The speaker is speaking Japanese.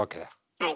はい。